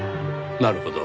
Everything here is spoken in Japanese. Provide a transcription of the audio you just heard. なるほど。